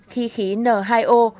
khí khí n hai o